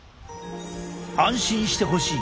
安心してほしい。